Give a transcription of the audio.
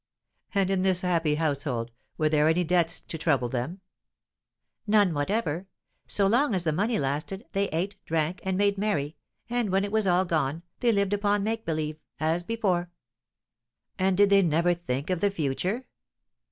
"And, in this happy household, were there any debts to trouble them?" "None whatever. So long as the money lasted, they ate, drank, and made merry, and, when it was all gone, they lived upon 'make believe,' as before." "And did they never think of the future?"